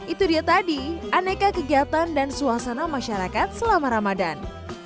itu dia tadi aneka kegiatan dan suasana masyarakat selama ramadan